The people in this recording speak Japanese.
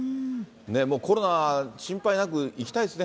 もうコロナ心配なく行きたいです